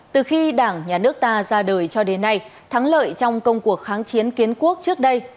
từ khi đảng nhà nước ta ra đời cho đến nay thắng lợi trong công cuộc kháng chiến kiến quốc trước đây